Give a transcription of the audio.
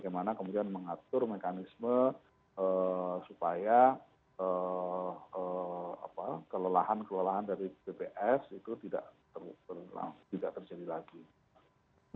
bagaimana kemudian mengatur mekanisme supaya kelelahan kelelahan dari bps itu tidak terjadi lagi